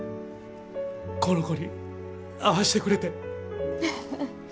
この子に会わしてくれて。